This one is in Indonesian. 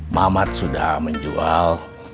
mamat sudah menjual